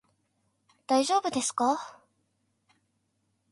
大丈夫ですか？